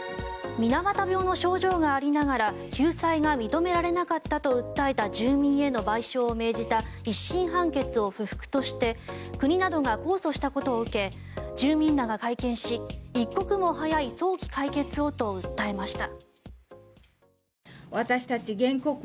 水俣病の症状がありながら救済が認められなかったと訴えた住民への賠償を認めた１審判決を不服として国などが控訴したことを受け住民らが会見し一刻も早い早期解決をと訴えました。